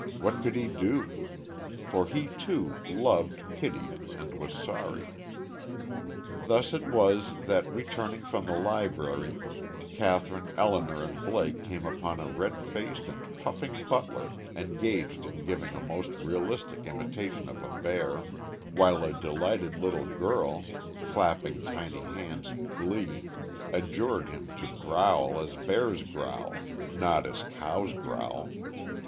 What could he do? For he, too, loved, pitied, and was sorry. Thus it was that, returning from the library, Kathryn, Elinor and Blake came upon a red faced and puffing butler engaged in giving a most realistic imitation of a bear, while a delighted little girl, clapping tiny hands in glee, adjured him to growl as bears growl, not as cows growl.